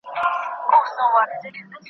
ایا خصوصي سکتور تولیدات زیاتوي؟